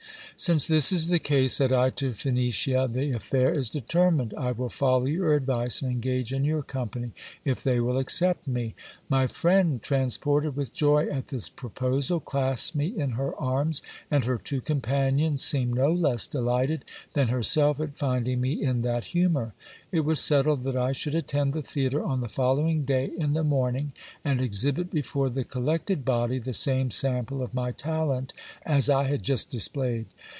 LAURA'S STORY. 247 Since this is the case, said I to Phenicia, the affair is determined. I will follow your advice and engage in your company, if they will accept me. My friend, transported with joy at this proposal, clasped me in her arms ; and her two companions seemed no less delighted than herself at finding me in that humour. It was settled that I should attend the theatre on the following day in the morning, and exhibit before the collected lwdy the same sample of my talent as I had just displayed.